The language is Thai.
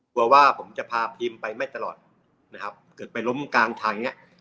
ว่าผมจะพาพิมพ์ไปไม่ตลอดนะครับเกิดไปล้มกลางทางเนี้ย